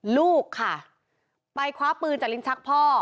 ลูกค่ะไปคว้าปืนจากลิ้นชักพ่อ